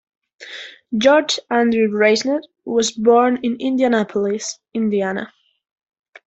George Andrew Reisner was born in Indianapolis, Indiana.